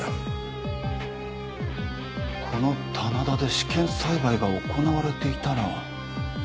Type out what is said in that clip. この棚田で試験栽培が行われていたら。